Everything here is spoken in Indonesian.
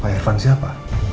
pak irvan siapa